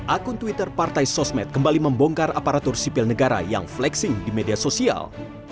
akun twitter partai sosmed kembali membongkar aparatur sipil negara yang flexing di media sosial